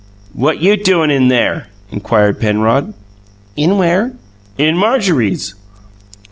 "What you doin' in there?" inquired Penrod. "In where?" "In Marjorie's."